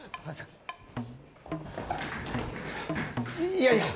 いやいや。